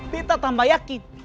kita tambah yakin